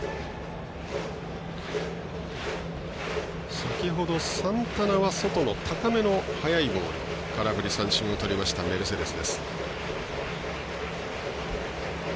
先ほど、サンタナは外の高めの速いボール、空振り三振をとりました、メルセデス。